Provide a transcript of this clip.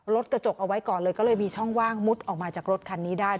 รถกระจกเอาไว้ก่อนเลยก็เลยมีช่องว่างมุดออกมาจากรถคันนี้ได้